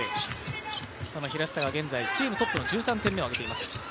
その平下がチームトップの１３点目を挙げています。